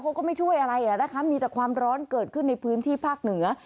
เขาก็ไม่ช่วยอะไรอ่ะนะคะมีแต่ความร้อนเกิดขึ้นในพื้นที่ภาคเหนือ